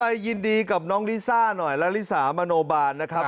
ยินดีกับน้องลิซ่าหน่อยละลิสามโนบาลนะครับ